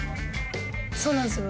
そうなんですよ。